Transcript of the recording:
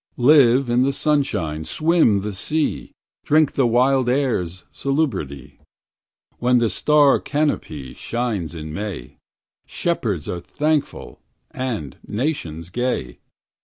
Live in the sunshine, swim the sea, Drink the wild air's salubrity: When the star Canope shines in May, Shepherds are thankful and nations gay.